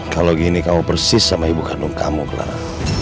kalau gini kamu persis sama ibu kandung kamu clara